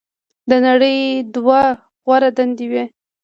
"د نړۍ دوه غوره دندې وې.